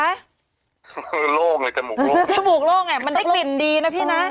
โรงจ้ะจมูกโรงจมูกโรงมันได้กลิ่นดีนะพี่นะ